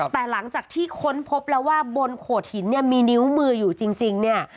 แต่หลังจากที่ค้นพบแล้วว่าบนโขดหินเนี่ยมีนิ้วมืออยู่จริงเนี่ย